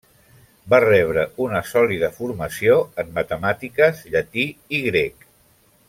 Va rebre una sòlida formació en matemàtiques, llatí i grec.